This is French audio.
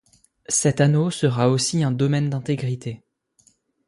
Cet anneau sera aussi un domaine d'intégrité.